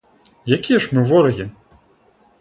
Якія ж мы ворагі?